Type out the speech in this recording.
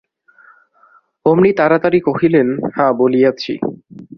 অমনি তাড়াতাড়ি কহিলেন, হাঁ বলিয়াছি।